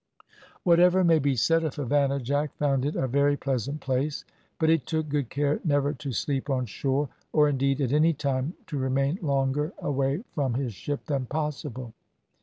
Whatever may be said of Havannah, Jack found it a very pleasant place, but he took good care never to sleep on shore, or indeed at any time to remain longer away from his ship than possible.